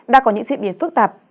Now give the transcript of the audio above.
đã có những diễn biến phức tạp